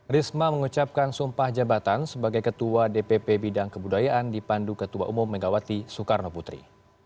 risma mengucapkan sumpah jabatan sebagai ketua dpp bidang kebudayaan di pandu ketua umum megawati soekarno putri